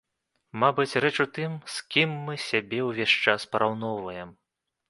Мабыць, рэч у тым, з кім мы сябе ўвесь час параўноўваем.